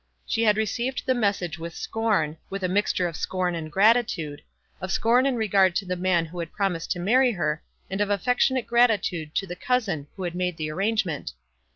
She had received the message with scorn, with a mixture of scorn and gratitude, of scorn in regard to the man who had promised to marry her, and of affectionate gratitude to the cousin who had made the arrangement.